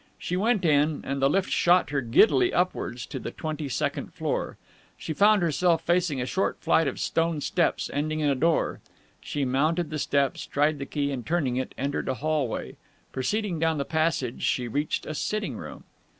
She went in, and the lift shot her giddily upwards to the twenty second floor. She found herself facing a short flight of stone steps, ending in a door. She mounted the steps, tried the key, and, turning it, entered a hall way. Proceeding down the passage, she reached a sitting room.